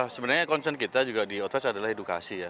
sebenarnya concern kita juga di outsource adalah edukasi ya